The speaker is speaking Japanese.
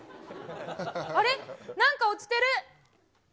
あれ、なんか落ちてる。